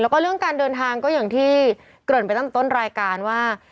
แล้วก็เรื่องการเดินทางก็อย่างที่เกริ่นไปตั้งแต่ต้นรายการว่า